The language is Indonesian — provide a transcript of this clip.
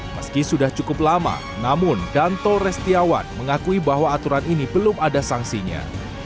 meski sudah cukup lama namun danto restiawan mengakui bahwa aturan ini belum ada sanksinya